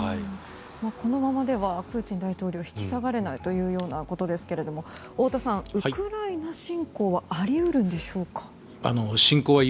このままではプーチン大統領引き下がれないというようなことですが太田さん、ウクライナ侵攻はあり得るんでしょうか。